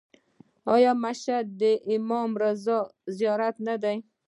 آیا مشهد د امام رضا زیارت نه دی؟